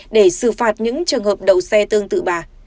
để xử phạt những trường hợp đậu xe tương tự bà